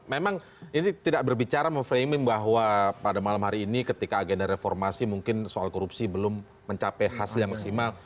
memang ini tidak berbicara memframing bahwa pada malam hari ini ketika agenda reformasi mungkin soal korupsi belum mencapai hasil yang maksimal